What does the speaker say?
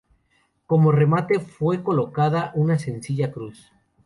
Como remate fue colocada una sencilla cruz.